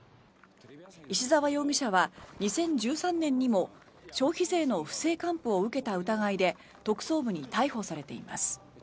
石澤容疑者は２０１３年にも消費税の不正還付を受けた疑いで特捜部に逮捕されています。